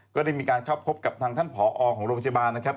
ก็ได้มีการเข้าพบกับทางท่านผอของโรงพยาบาลนะครับ